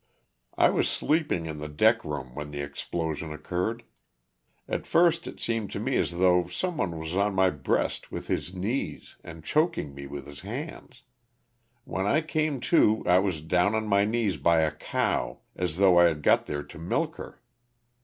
I was sleeping in the deck room when the explosion occurred. At first it seemed to me as though some one was on my breast with his knees and choking me with his hands. When I came to I was down on my knees by a cow, as though I had got there to milk her.